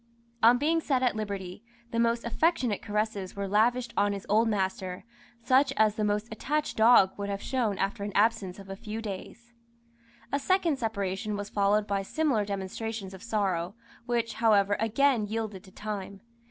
On being set at liberty, the most affectionate caresses were lavished on his old master, such as the most attached dog would have shown after an absence of a few days. A second separation was followed by similar demonstrations of sorrow, which, however, again yielded to time.